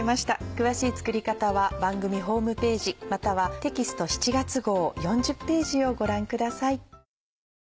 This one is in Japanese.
詳しい作り方は番組ホームページまたはテキスト７月号４０ページをご覧ください。